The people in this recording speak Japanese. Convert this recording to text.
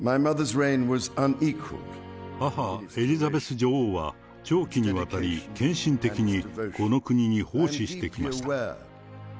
母、エリザベス女王は、長期にわたり献身的にこの国に奉仕してきました。